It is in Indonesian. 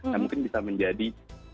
dan mungkin bisa menjadi